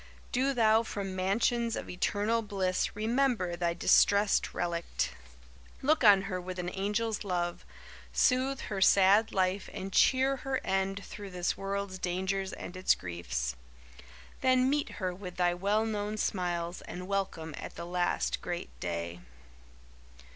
Do thou from mansions of eternal bliss Remember thy distressed relict. Look on her with an angel's love Soothe her sad life and cheer her end Through this world's dangers and its griefs. Then meet her with thy well known smiles and welcome At the last great day.